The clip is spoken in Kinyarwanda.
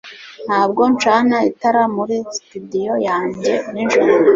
ntabwo ncana itara muri studio yanjye nijoro